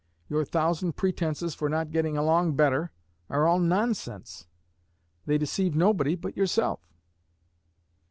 Your thousand pretences for not getting along better are all nonsense. They deceive nobody but yourself.